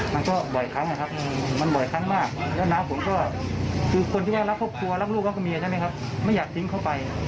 มันก็บ่อยครั้งนะครับมันบ่อยครั้งมากแล้วน้าผมก็คือคนที่ว่ารักครอบครัวรักลูกรักเมียใช่ไหมครับไม่อยากทิ้งเข้าไป